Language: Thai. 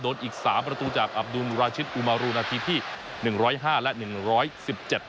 อีกสามประตูจากอับดุลราชิตอุมารูนาทีที่หนึ่งร้อยห้าและหนึ่งร้อยสิบเจ็ด